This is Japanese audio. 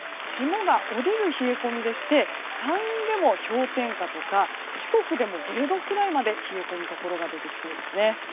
霜が降りる冷え込みでして山陰でも氷点下とか四国でも０度くらいまで冷え込むところが出てきそうです。